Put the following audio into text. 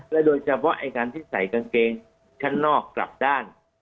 โดยเฉพาะไอ้การที่ใส่กางเกงชั้นนอกกลับด้าน